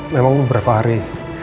memang beberapa hari